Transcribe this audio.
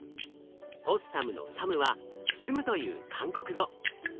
ポッサムのサムは「包む」という韓国語。